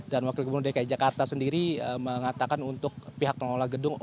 dan wakil gubernur dki jakarta sendiri mengatakan untuk pihak pengelola gedung